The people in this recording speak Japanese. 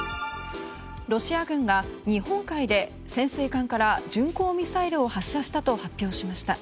ロシア軍が日本海で潜水艦から巡航ミサイルを発射したと発表しました。